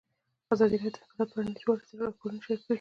ازادي راډیو د عدالت په اړه د نړیوالو رسنیو راپورونه شریک کړي.